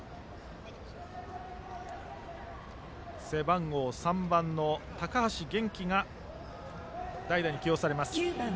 背番号３番の高橋玄樹が代打に起用されます。